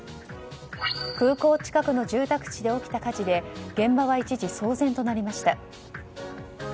空港近くの住宅地で起きた火事で現場は一時騒然となりました。